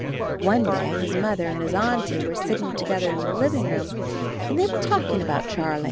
One day his Mother and his Auntie were sitting together in the living room, and they were talking about Charlie.